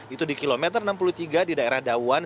itu di kilometer enam puluh tiga di daerah dawan